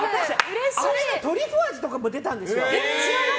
あれのトリュフ味とかも出たんですよ。